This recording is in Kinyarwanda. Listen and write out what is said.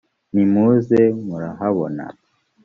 nimuze murahabona